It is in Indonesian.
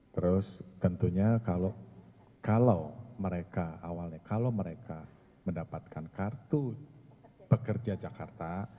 terus tentunya kalau mereka mendapatkan kartu pekerja jakarta